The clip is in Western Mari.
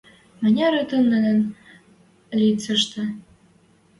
Маняры тыл нӹнӹн лицӓштӹ!